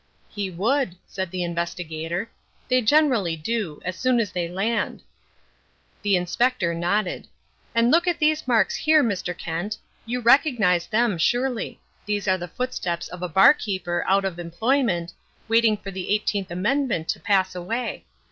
"He would," said the Investigator. "They generally do as soon as they land." The Inspector nodded. "And look at these marks here, Mr. Kent. You recognize them, surely those are the footsteps of a bar keeper out of employment, waiting for the eighteenth amendment to pass away.